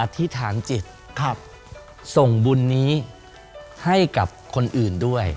ธิษฐานจิตส่งบุญนี้ให้กับคนอื่นด้วย